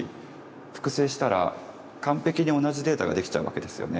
複製したら完璧に同じデータができちゃうわけですよね。